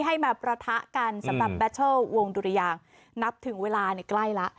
ให้มาประทะกันสำหรับแบตเทิลวงดุรยางนับถึงเวลาในใกล้แล้ว